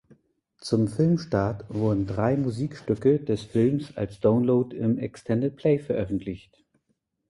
Zum Filmstart wurden drei Musikstücke des Films als Download im Extended Play veröffentlicht.